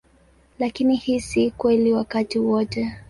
Lakini hii si kweli wakati wote.